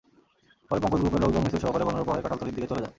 পরে পঙ্কজ গ্রুপের লোকজন মিছিলসহকারে বনরূপা হয়ে কাঁঠালতলীর দিকে চলে যায়।